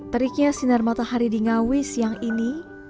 periknya sinar matahari di ngawi siang ini